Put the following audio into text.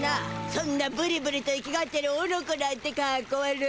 そんなブリブリといきがってるオノコなんてかっこ悪い。